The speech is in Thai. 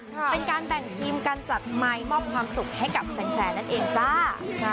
เป็นการแบ่งทีมการจัดไมค์มอบความสุขให้กับแฟนนั่นเองจ้า